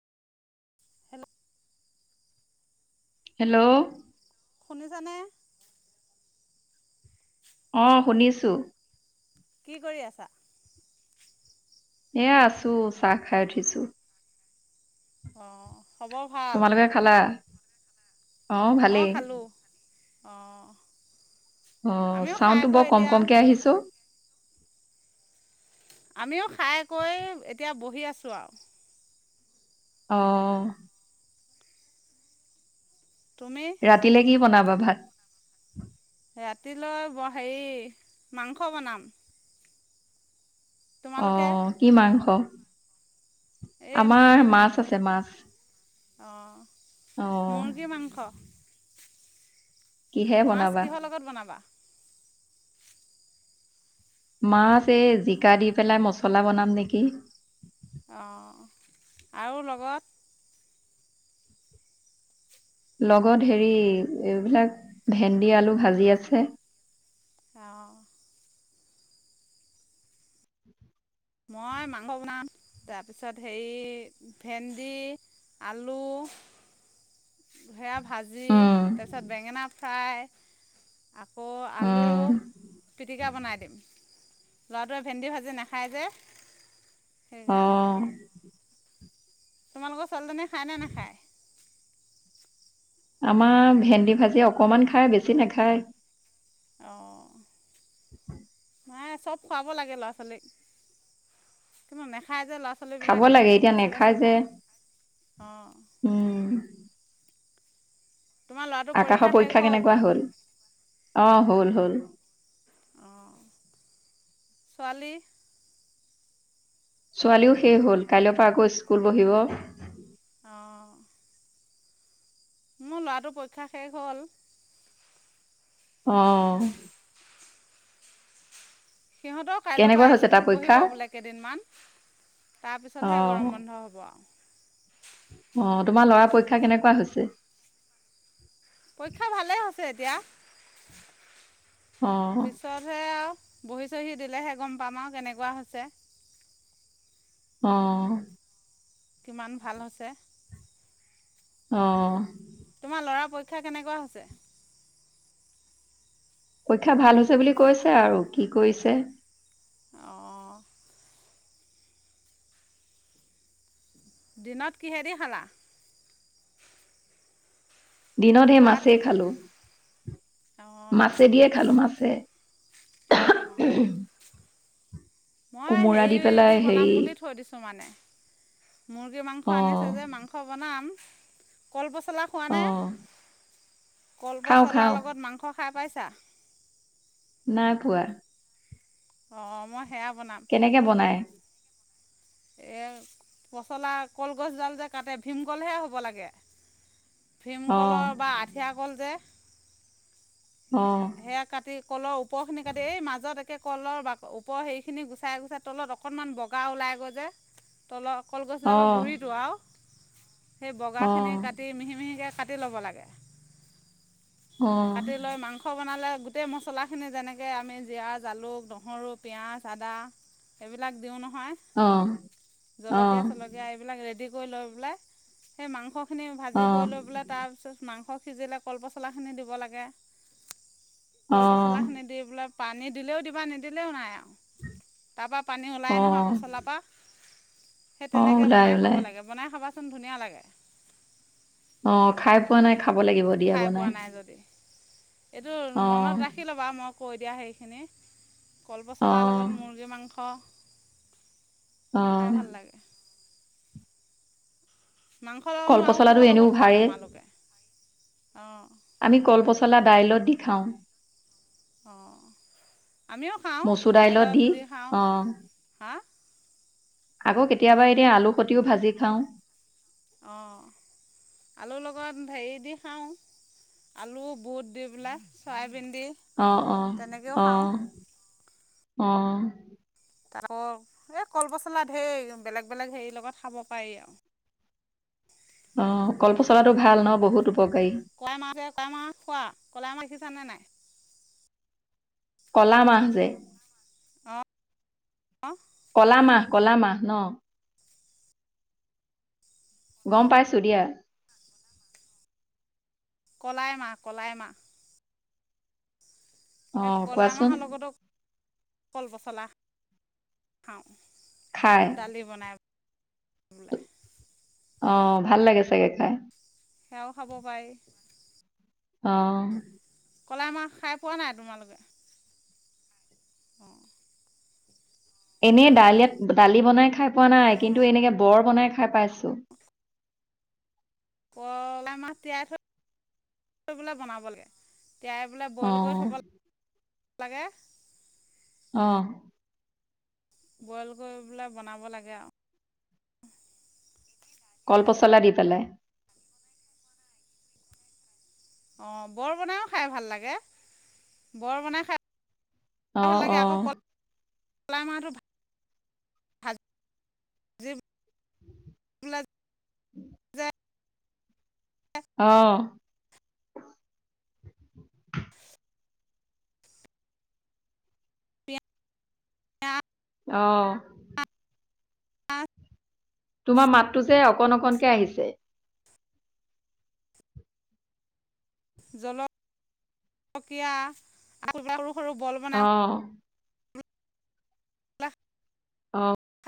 [inaudible] Hello শুনে জানে অ শুনিছো কি কৰি আছা এ আছো চাহ খাই উঠিছো অঁ খবৰ ভাল তোমালোকে খালা অ অঁ ভালেই খালোঁ অঁ অ আমিও খাই চাউণ্ডটো কৈ বৰ কম এতিয়া কমকে আহিছো আমিও খাই কৈ এতিয়া বহি আছোঁ আৰু আহ তুমি ৰাতিলে কি বনাবা ভাত ৰাতিলৈ ব হেৰি মাংস বনাম অ তোমালোকে কি মাংস এই আমাৰ মুৰ্গী মাছ মাংস আছে মাছ অঁ অ মুৰ্গী মাংস কিহে মাছ বনাবা কিহৰ লগত বনাবা মাছ এই জিকা দি পেলাই মছলা বনাম নেকি অঁ আৰু লগত লগত হেৰি এইবিলাক ভেন্দি আলু ভাজি আছে আহ মই মাংস বনাম তাৰপিছত হেৰি ভেন্দি আলু সেয়া ভাজি উম তাৰপিছত বেঙেনা। চাই। আকৌ আলু উম পিটিকা বনাই দিম। ল'ৰাটোৱে ভেন্দি ভাজি নাখায় যে। অ সেইকাৰণে তোমালোকৰ ছোৱালীজনীয়ে খায়নে নাখায়। আমাৰ ভেন্দি ভাজি অকমান খাই বেছি নাখায়। অঁহ ', নাই চব খুৱাব লাগে ল'ৰা ছোৱালীক কিন্তু নাখায় যে ল'ৰা ছোৱালীক। খাব পাচলিবিলাকে লাগে এতিয়া বাচি- নেখাই বাচি যে খায় অঁহ ', উম আকাশৰ পৰীক্ষা কেনেকুৱা হল অহ ', হল হল অঁহ ', ছোৱালী ছোৱালীও শেষ হ'ল কাইলৈৰ পৰা আকৌ স্কুল বহিব। অহ ', মোৰ ল'ৰাটোৰ পৰীক্ষা শেষ হ'ল। অহ ', সিহঁতৰ কাইলৈৰ কেনেকুৱা পৰা হৈছে তাৰ স্কুল পৰীক্ষা বহিব বোলে কেইদিনমান তাৰ পিছতহে গৰম বন্ধ হ'ব আৰু। অহ', তোমাৰ লৰাৰ পৰীক্ষা কেনেকুৱা হৈছে? পৰীক্ষা ভালে হৈছে এতিয়া। অ পিছতহে আৰু। বহি চহি দিলেহে গম পাম আৰু কেনেকুৱা হৈছে। অহ ', কিমান ভাল হৈছে। অহ ', তোমাৰ লৰা পৰীক্ষা কেনেকুৱা হৈছে? পৰীক্ষা ভাল হৈছে বুলি কৈছে আৰু কি কৰিছে। অহ ', দিনত কি হেৰিদি খালা? দিনত সেই ভাত মাছেই খালোঁ। অঁ মাছে দিয়ে খালোঁ মাছ। [unintelligible] [unintelligible] মই হেৰিদি বনাম বুলি থৈ দিছোঁ মানে মুৰ্গী মাংস অ আনিছে যে মাংস বনাম। কল পছ। পচলা খোৱা অ নে? কল খাওঁ পচলা খাওঁ লগত মাংস। খাই পাইছা? নাই পোৱা। অ', মই। সেয়া বনাম কেনেকে বনাই? এই পচলা কলগছডাল যে কাটে ভীমকলহে হ'ব লাগে। ভীম অ কলৰ বা আঠিয়া কল যে। সেয়া কাটি কলৰ ওপৰ খিনি কাটি এই মাজত। কলৰ বাক ওপৰ হেৰি খিনি গুচাই গুচাই তলত অকনমান বগা ওলাই গৈ। যে তলত। কলগছ অ ডালৰ অ গুৰিটো আও সেই বগা খিনি কাটি মিহি মিহিকে। কাটি ল'ব লাগে। কাটি লৈ মাংস বনালে গোটেই মছলাখিনি যেনেকে আমি জিৰা, জালুক, নহৰু, পিয়াঁজ, আদা এইবিলাক দিওঁ নহয়, অঁ জলকীয়া চলকীয়া এইবিলাক ৰেডি কৈ লৈ পেলাই সেই মাংস খিনি ভাজি কৰি লৈ পেলাই তাৰপিছত মাংস সিজিলে কলপচলাখিনি দিব লাগে কল পচলা খিনি দি বোলে পানী দিলেও দিবা নিদিলেও নাই আৰু তা পা পানী অ ওলাই নহয় পচলা পা সেই তেনেকে ওলাই বনাই খাব ওলাই লাগে বনাই খাবা চোন ধুনীয়া লাগে অ খাই তোমালোকে পোৱা নাই খাব লাগিব দিয়া খাই পোৱা বনাই নাই যদি এইটো অ মনত ৰাখি ল'বা মই কৈ দিয়া সেইখিনি অ কলপচলাৰ লগত মুৰ্গী মাংস অ খাই ভাল লাগে মাংস লগতনো আৰু কলপচলাটো কিহৰ এনেও লগত খোৱা ভাৰেই তোমালোকে অঁ আমি কলপচলা দাইলত দি খাওঁ অ আমিও খাও, দাইলত দি খাও অ হা আকৌ কেতিয়াবা এতিয়া আলু সতিও ভাজি খাও। অ' আলুৰ লগত হেৰি দি খাও, আলু, বুট দি পেলাই চয়াবিন দি অ', -অ', তেনেকৈও খাওঁ -অ। অ' আকৌ এই কলপচলা ধেই বেলেগ-বেলেগ হেৰি লগত খাব পাৰি আৰু অ' কল-পচলাটো ভাল ন বহুত উপকাৰী কলাই মাহ যে কলাই মাহ খোৱা, কলাই মাহ দেখিছা নে নাই। কলা মাহ যে অ' কলামাহ, কলামাহ ন' গম পাইছো দিয়া। কলাই মাহ, কলাই মাহ। অ সেই কলাই মাহৰ কোৱাচোন লগতো কল পচলা খাও। খাই, দালি বনাই [inaudible] অ' ভাল লাগে চাগে খাই। সেয়াও খাব পাৰি। অ' কলাই মাহ খাই পোৱা নাই তোমালোকে [inaudible] এনেই দাল ইয়াত দালি বনাই খাই। পোৱা নাই কিন্তু অঁ এনেকে বৰ বনাই খাই পাইছো। কলাই মাহ তিয়াই থৈ, থৈ পেলে বনাব লাগে। তিয়াই পেলাই বইল কৰি অ', থ'ব লাগে। লাগে। অ'। বইল কৰি পেলাই বনাব লাগে আৰু কলপচলা দি পেলাই অ' বৰ বনাইও খাই ভাল লাগে, বৰ বনাই খাই ভাল লাগে আকৌ অহ-অহ। কলাই মাহতো ভা ভাজি পেলে যে অহ। এয়া অ' আ' তোমাৰ মাতটো যে অকণ- অকণকে আহিছে। জলকীয়া আৰু আৰু সৰু বল বনাম অ', ন অ'।